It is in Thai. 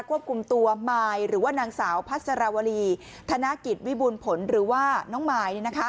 ควบคุมตัวมายหรือว่านางสาวพัสรวรีธนกิจวิบูรณ์ผลหรือว่าน้องมาย